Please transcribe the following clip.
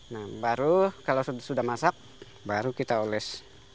nah baru kalau sudah masak baru kita oles